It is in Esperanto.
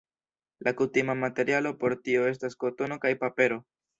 La kutima materialo por tio estas kotono kaj papero.